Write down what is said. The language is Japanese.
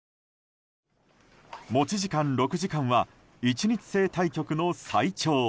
持ち時間６時間は１日制対局の最長。